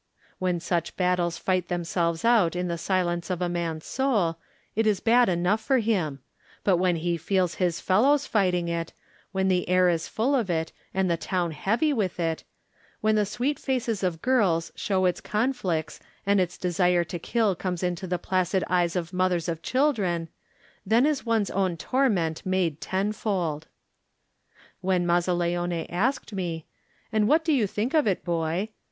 When such battles fight themselves out in the silence of a man's soul it is bad enough for him, but when he feels his fel lows fighting it, when the air is full of it and 66 Digitized by Google THE NINTH MAN the town heavy with it; when the sweet faces of girls show its conflicts and the desire to kill comes into the placid eyes of mothers of children, then is one's own torment made tenfold. When Mazzaleone asked me, "And what do you think of it, boy?"